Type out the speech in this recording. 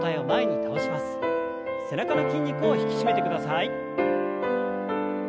背中の筋肉を引き締めてください。